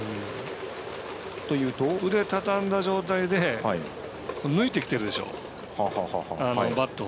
腕を畳んだ状態で抜いてきてるでしょ、バットを。